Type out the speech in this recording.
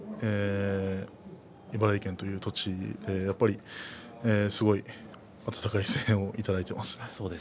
茨城県という土地ですごい温かい声援をいただいています。